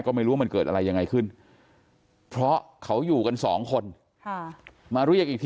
ก็ไม่รู้ว่ามันเกิดอะไรยังไงขึ้นเพราะเขาอยู่กันสองคนมาเรียกอีกที